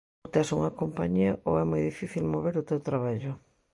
Ou tes unha compañía ou é moi difícil mover o teu traballo.